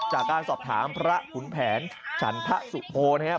จากการสอบถามพระขุนแผนฉันพระสุโพนะครับ